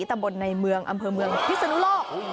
ตำบลในเมืองอำเภอเมืองพิศนุโลก